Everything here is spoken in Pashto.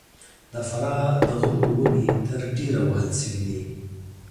د فراه د غرونو ونې تر ډېره وهل سوي دي.